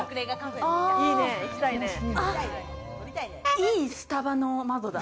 いいスタバの窓だ。